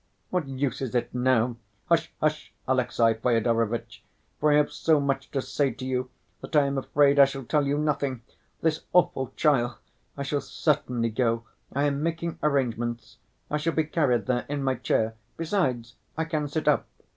What use is it now? Hush, hush, Alexey Fyodorovitch, for I have so much to say to you that I am afraid I shall tell you nothing. This awful trial ... I shall certainly go, I am making arrangements. I shall be carried there in my chair; besides I can sit up.